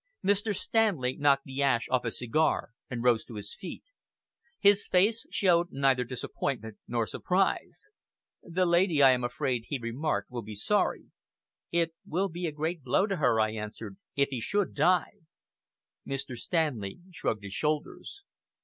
Mr. Stanley knocked the ash off his cigar and rose to his feet. His face showed neither disappointment nor surprise. "The lady, I am afraid," he remarked, "will be sorry." "It will be a great blow to her," I answered, "if he should die!" Mr. Stanley shrugged his shoulders.